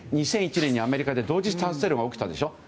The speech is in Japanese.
２００１年にアメリカで同時多発テロが起きたでしょ。